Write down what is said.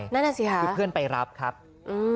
นั่นน่ะสิค่ะคือเพื่อนไปรับครับอืม